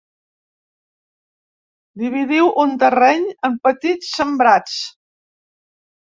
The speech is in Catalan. Dividiu un terreny en petits sembrats.